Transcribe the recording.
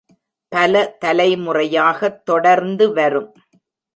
பல தலைமுறையாகத் தொடர்ந்துவரும்